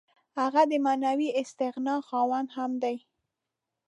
هغه د معنوي استغنا خاوند هم دی.